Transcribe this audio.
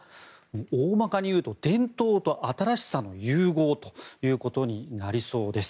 大まかにいうと伝統と新しさの融合ということになりそうです。